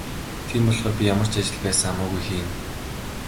Тийм болохоор би ямар ч ажил байсан хамаагүй хийнэ.